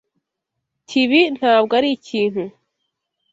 T Ibi ntabwo ari ikintu.